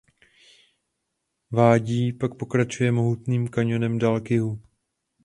Vádí pak pokračuje mohutným kaňonem dál k jihu.